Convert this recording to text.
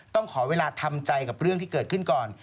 ขอเวลาทำใจกับเรื่องที่เกิดขึ้นก่อน